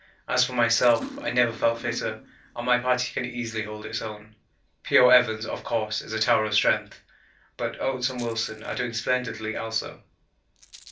As for myself, I never felt fitter and my party can easily hold its own. P.O. Evans, of course, is a tower of strength, but Oates and Wilson are doing splendidly also.